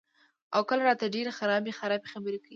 او کله راته ډېرې خرابې خرابې خبرې کئ " ـ